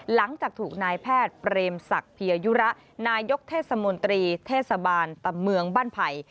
หลังจากถูกนายแพทย์เปรมศักดิ์เพียยุระนายกเทศมนตรีเทศบาลตำเมืองบ้านไผ่